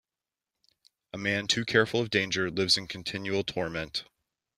A man too careful of danger lives in continual torment.